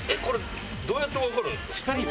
これどうやってわかるんですか？